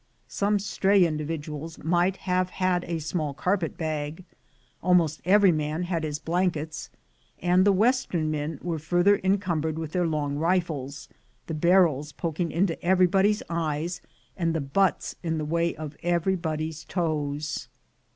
Some stray individuals might have had a small carpet bag — almost every man had his blankets — and the western men were further encumbered with their long rifles, the barrels poking into everybody's eyes, and the butts in the way of everybody's toes.